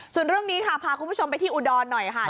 ส่วนเรื่องนี้ค่ะพาคุณผู้ชมไปที่อุดรหน่อยค่ะ